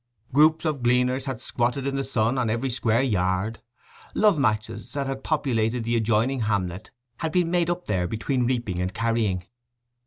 Groups of gleaners had squatted in the sun on every square yard. Love matches that had populated the adjoining hamlet had been made up there between reaping and carrying.